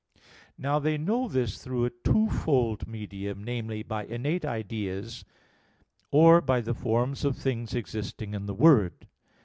Now they know this through a twofold medium, namely, by innate ideas, or by the forms of things existing in the Word.